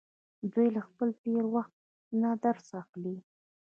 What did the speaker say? دوی له خپل تیره وخت نه درس اخلي.